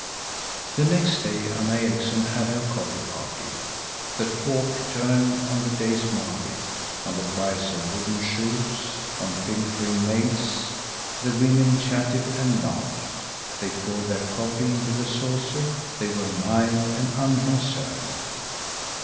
The next day Anna Erikson had her coffee party. The talk turned on the day's market, on the price of wooden shoes, on pilfering maids. The women chatted and laughed. They poured their coffee into the saucer. They were mild and unconcerned.